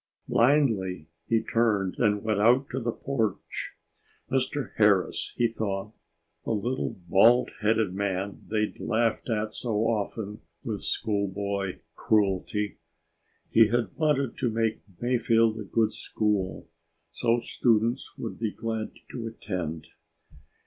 Blindly, he turned and went out to the porch. Mr. Harris, he thought, the little bald headed man they'd laughed at so often with schoolboy cruelty. He had wanted to make Mayfield a good school, so students would be glad to attend.